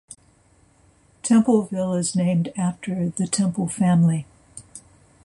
Templeville is named after the Temple family.